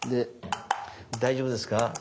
大丈夫ですか？